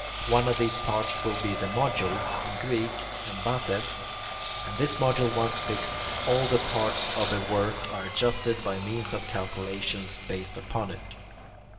One of these parts will be the module (in Greek [Greek: embates]); and this module once fixed, all the parts of the work are adjusted by means of calculations based upon it.